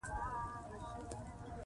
کندهار د افغانستان د اقلیم ځانګړتیا ده.